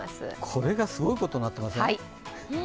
これがすごいことになっていますね。